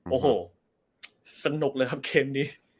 โอ้โหสนุกเลยครับเกมนี้